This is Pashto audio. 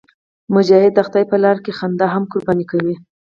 مجاهد د خدای په لاره کې خندا هم قرباني کوي.